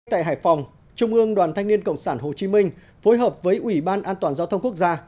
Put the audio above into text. tại hải phòng trung ương đoàn thanh niên cộng sản hồ chí minh phối hợp với ủy ban an toàn giao thông quốc gia